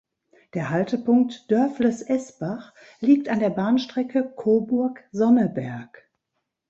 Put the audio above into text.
Der Haltepunkt "Dörfles-Esbach" liegt an der Bahnstrecke Coburg–Sonneberg.